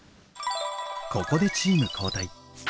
ここでチーム交代。